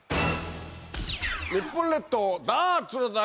日本列島ダーツの旅！